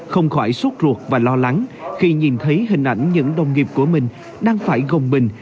không khỏi suốt ruột và lo lắng khi nhìn thấy hình ảnh những đồng nghiệp của mình đang phải gồng mình